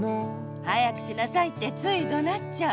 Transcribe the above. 「早くしなさい！」ってついどなっちゃう。